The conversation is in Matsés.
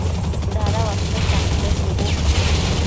dada uate sante shubu